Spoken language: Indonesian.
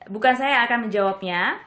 bukan saya yang akan menjawabnya